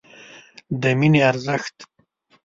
د مینې ارزښت